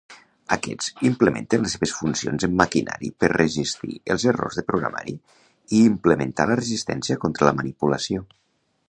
Aquests implementen les seves funcions en maquinari per resistir els errors de programari i implementar la resistència contra la manipulació.